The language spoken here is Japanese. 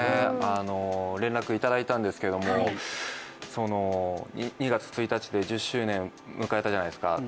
連絡いただいたんですけども、２月１日で１０周年迎えたじゃないですか。